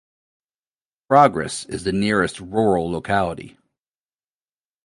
Progress is the nearest rural locality.